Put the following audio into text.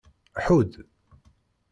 Ḥudd.